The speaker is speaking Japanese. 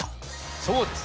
そうです。